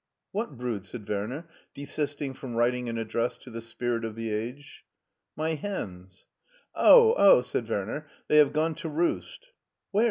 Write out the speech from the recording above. " What brood ?" said Werner, desisting from writ ing an address to the spirit of the age. My hens/' Oh ! oh !'' said Werner, " they have gone to roost" " Where